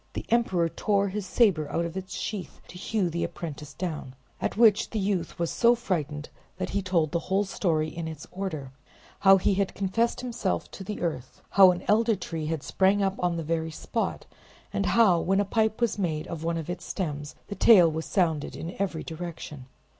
The emperor tore his saber out of its sheath to hew the apprentice down, at which the youth was so frightened that he told the whole story in its order: how he had confessed himself to the earth; how an elder tree had sprang up on the very spot; and how, when a pipe was made of one of its sterns, the tale was sounded in every direction.